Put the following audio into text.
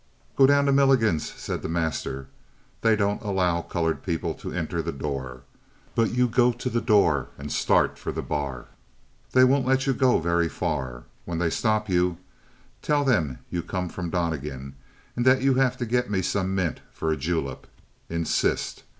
"Go down to Milligan's," said the master. "They don't allow colored people to enter the door, but you go to the door and start for the bar. They won't let you go very far. When they stop you, tell them you come from Donnegan and that you have to get me some mint for a julep. Insist.